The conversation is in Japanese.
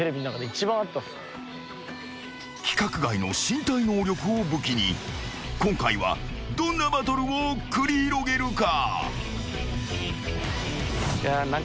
［規格外の身体能力を武器に今回はどんなバトルを繰り広げるか？］